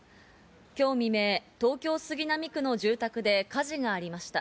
今日未明、東京・杉並区の住宅で火事がありました。